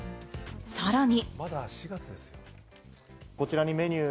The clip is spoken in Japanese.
さらに。